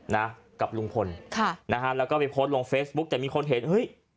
นะกับลุงพลค่ะนะฮะแล้วก็ไปโพสต์ลงเฟซบุ๊คแต่มีคนเห็นเฮ้ย